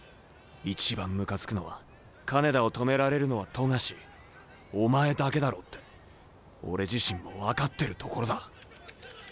一番ムカつくのは金田を止められるのは冨樫お前だけだろうって俺自身も分かってるところだ。